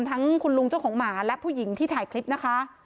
ทั้งคุณลุงเจ้าของหมาและผู้หญิงที่ถ่ายคลิปนะคะ